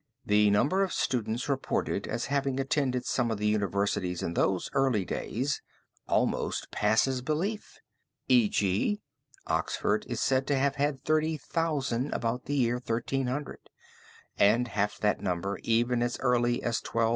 ] "The number of students reported as having attended some of the universities in those early days almost passes belief; e. g. Oxford is said to have had thirty thousand about the year 1300, and half that number even as early as 1224.